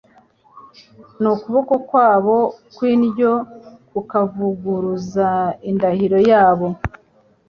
n’ukuboko kwabo kw’indyo kukavuguruza indahiro yabo